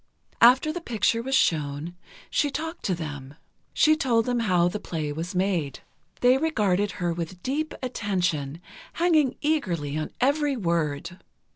After the picture was shown, she talked to them. She told them how the play was made. They regarded her with deep attention, hanging eagerly on every word.